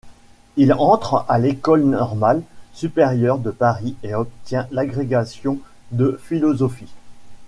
Il entre à l'École normale supérieure de Paris et obtient l'agrégation de philosophie.